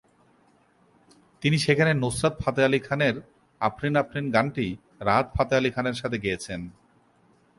তিনি সেখানে নুসরাত ফাতেহ আলী খানের "আফরিন আফরিন" গানটি রাহাত ফাতেহ আলী খানের সাথে গেয়েছেন।